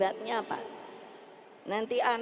untuk mendapat perhatian